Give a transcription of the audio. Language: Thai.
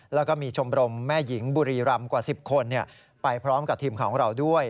แล้วก็มีชมรมแม่หญิงบุรีรำกว่า๑๐คนไปพร้อมกับทีมของเราด้วย